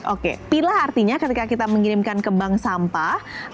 oke pilah artinya ketika kita mengirimkan ke bank sampah